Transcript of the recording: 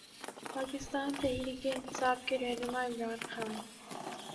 پاکستان تحریک انصاف کے رہنما عمران خان